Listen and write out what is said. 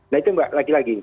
nah itu mbak lagi lagi